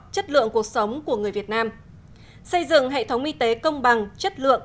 chất lượng cuộc sống của người việt nam xây dựng hệ thống y tế công bằng chất lượng